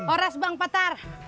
haras bang patar